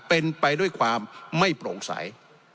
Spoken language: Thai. เป็นไปด้วยความไม่โปร่งใส